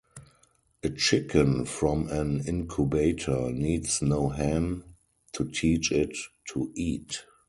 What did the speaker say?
A chicken from an incubator needs no hen to teach it to eat.